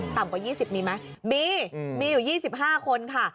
ต่ำกว่า๒๐มีไหมมีมีอยู่๒๕คนค่ะ